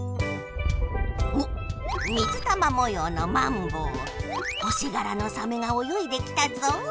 おっ水玉もようのマンボウ星がらのサメが泳いできたぞ。